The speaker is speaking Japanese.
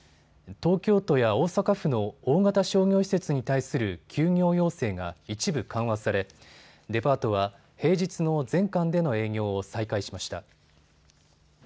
東京都や大阪府の大型商業施設に対する休業要請が一部緩和されデパートは平日の全館での営業を再開しました。